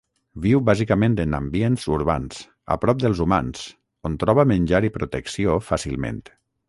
Viu bàsicament en ambients urbans, a prop dels humans, on troba menjar i protecció fàcilment.